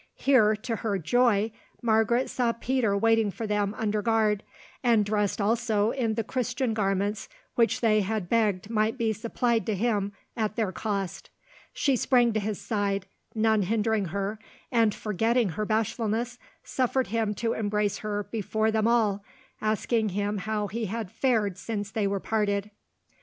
Here, to her joy, Margaret saw Peter waiting for them under guard, and dressed also in the Christian garments which they had begged might be supplied to him at their cost. She sprang to his side, none hindering her, and, forgetting her bashfulness, suffered him to embrace her before them all, asking him how he had fared since they were parted.